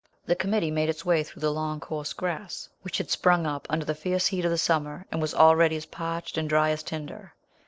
The committee made its way through the long coarse grass, which had sprung up under the fierce heat of summer, and was already as parched and dry as tinder.